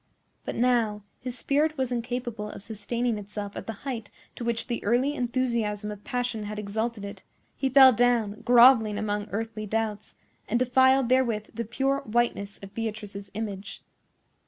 But now his spirit was incapable of sustaining itself at the height to which the early enthusiasm of passion had exalted it; he fell down, grovelling among earthly doubts, and defiled therewith the pure whiteness of Beatrice's image.